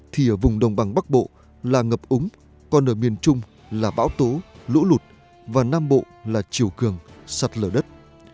thì ở vùng đồng bằng bắc bộ là ngập úng còn ở miền trung là bão tố lũ lụt và nam bộ là chiều cường sạt lở đất